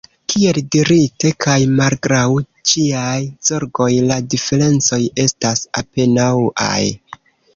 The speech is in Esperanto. Kiel dirite, kaj malgraŭ ĉiaj zorgoj, la diferencoj estas apenaŭaj.